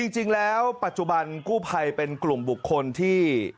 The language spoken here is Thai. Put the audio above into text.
จริงแล้วปัจจุบันกู้ภัยเป็นกลุ่มบุคคลที่